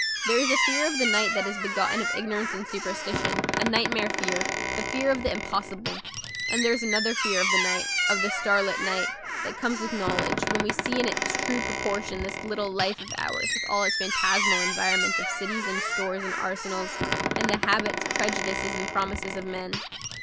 There is a fear of the night that is begotten of ignorance and superstition, a nightmare fear, the fear of the impossible; and there is another fear of the night of the starlit night that comes with knowledge, when we see in its true proportion this little life of ours with all its phantasmal environment of cities and stores and arsenals, and the habits, prejudices, and promises of men.